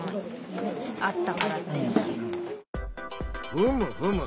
ふむふむ。